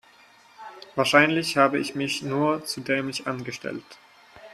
Wahrscheinlich habe ich mich nur zu dämlich angestellt.